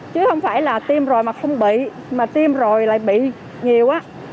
chứ không phải là tim rồi mà không bị mà tiêm rồi lại bị nhiều á